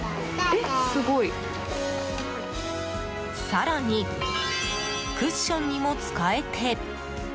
更に、クッションにも使えて。